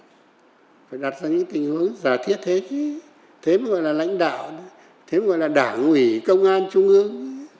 làm sao phải đặt ra những tình hướng giả thiết thế chứ thế mới gọi là lãnh đạo thế mới gọi là đảng ủy công an trung ướng